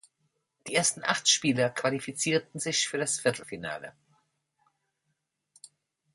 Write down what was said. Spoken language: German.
Die ersten acht Spieler qualifizierten sich für das Viertelfinale.